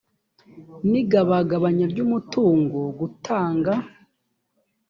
n igabagabanya ry umutungo gutanga